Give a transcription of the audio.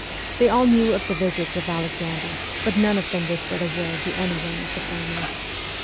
They all knew of the visits of Alexander, but none of them whispered a word to anyone of the family.